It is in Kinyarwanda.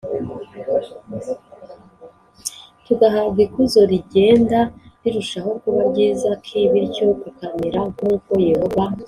tugahabwa ikuzo rigenda rirushaho kuba ryiza k bityo tukamera nk uko Yehova